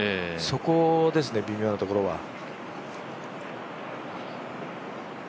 そこですね、微妙なところは。